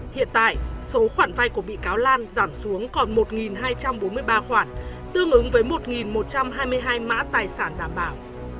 hiện tại số khoản vay của bị cáo lan giảm xuống còn một hai trăm bốn mươi ba khoản tương ứng với một một trăm hai mươi hai mã tài sản đảm bảo